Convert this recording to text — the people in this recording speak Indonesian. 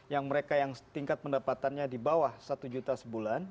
yang mereka yang tingkat pendapatannya di bawah satu juta sebulan